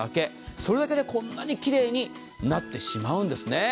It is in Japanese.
それだけでこんなにきれいになってしまうんですね。